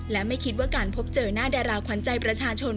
และไม่คิดว่าการพบเจอหน้าดาราขวัญใจประชาชน